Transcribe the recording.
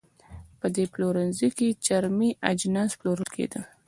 په دې پلورنځۍ کې چرمي اجناس پلورل کېدل.